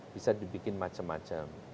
bisa dibikin macam macam